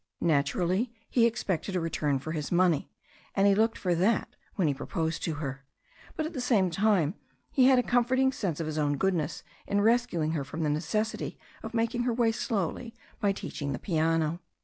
Natur ally, he expected a return for his money, and he looked for that when he proposed to her. But at the same time he had a comforting sense of his own goodness in rescuing her from the necessity of making her way slowly by teaching the piano.